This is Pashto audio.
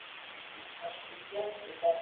ژوند د ارمانو يوه غونچه ده .